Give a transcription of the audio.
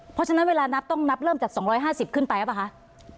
เพราะฉะนั้นเวลานับต้องนับเริ่มจาก๒๕๐ขึ้นไปหรือเปล่าคะ